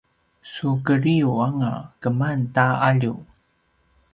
sukedriu anga keman ta alju